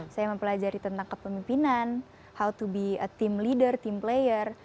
saya mempelajari tentang kepemimpinan how to be team leader team player